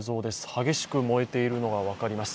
激しく燃えているのが分かります。